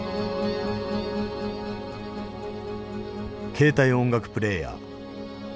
携帯音楽プレーヤー。